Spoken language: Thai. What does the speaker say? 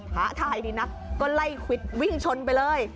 ท้าทายดีนักก็ไล่ควิดวิ่งชนไปเลย